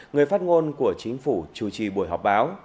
nguồn của chính phủ chủ trì buổi họp báo